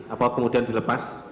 atau kemudian dilepas